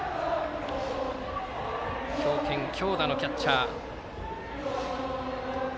強肩強打のキャッチャー。